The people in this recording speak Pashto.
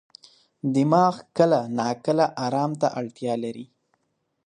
دماغ کله ناکله ارام ته اړتیا لري.